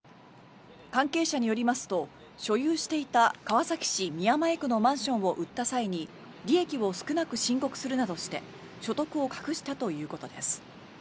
関係者によりますと所有していた川崎市宮前区のマンションを売った際に利益を少なく申告するなどして所得を隠したということです。